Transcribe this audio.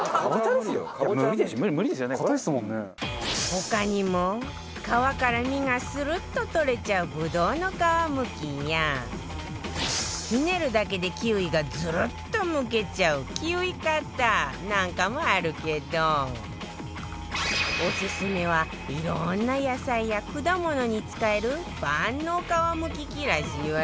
他にも皮から身がスルッと取れちゃうぶどうの皮むきやひねるだけでキウイがズルッとむけちゃうキウイカッターなんかもあるけどオススメはいろんな野菜や果物に使える万能皮むき器らしいわよ